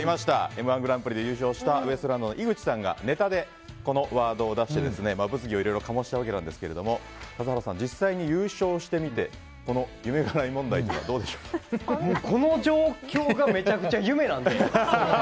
「Ｍ‐１グランプリ」で優勝したウエストランドの井口さんがネタでこのワードを出して物議を醸したわけですが田津原さん実際に優勝してみてこの夢がない問題というのはこの状況がめちゃくちゃ夢なので。